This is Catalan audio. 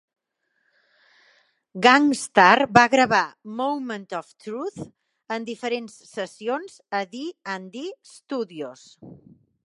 Gang Starr va gravar "Moment of Truth" en diferents sessions a D and D Studios.